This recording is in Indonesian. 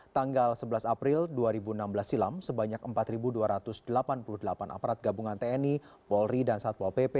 tanggal sebelas april dua ribu enam belas silam sebanyak empat dua ratus delapan puluh delapan aparat gabungan tni polri dan satpol pp